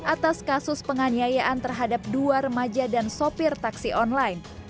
atas kasus penganiayaan terhadap dua remaja dan sopir taksi online